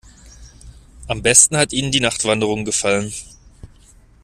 Am besten hat ihnen die Nachtwanderung gefallen.